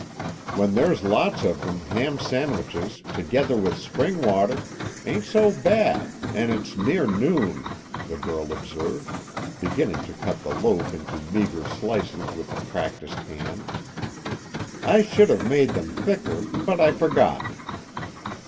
"When there's lots of them, ham sandwiches, together with spring water, ain't so bad, an' it's near noon," the girl observed, beginning to cut the loaf into meager slices with a practised hand. "I should've made them thicker, but I forgot."